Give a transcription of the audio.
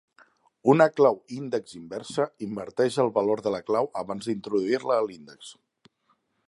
Una clau índex inversa, inverteix el valor de la clau abans d'introduir-la a l'índex.